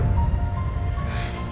siapa yang kabur